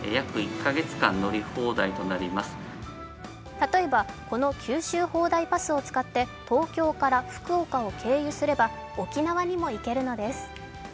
例えばこの九州ホーダイパスを使って東京から福岡を経由すれば沖縄にも行けるのです。